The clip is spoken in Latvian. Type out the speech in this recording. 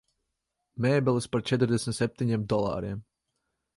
Mēbeles par četrdesmit septiņiem dolāriem.